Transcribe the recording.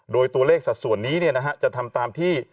โดยตัวเลขสัดส่วนนี้เนี้ยนะฮะจะทำตามที่